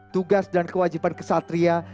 tugas dan kewajiban ksatria